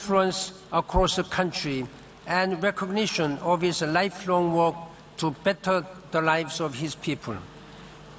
และรับรับรับบริหารที่สำคัญที่ทำให้ชีวิตของเขาดีกว่า